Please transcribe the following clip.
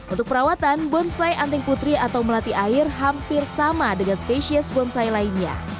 untuk perawatan bonsai anting putri atau melati air hampir sama dengan spesies bonsai lainnya